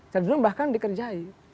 cenderung bahkan dikerjai